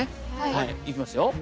はいいきますよ。